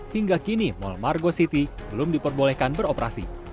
hingga kini mall margo city belum diperbolehkan beroperasi